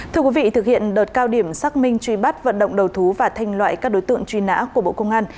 thưa quý vị thực hiện đợt cao điểm xác minh truy bắt vận động đầu thú và thanh loại các đối tượng truy nã của bộ công an